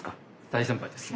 大先輩です。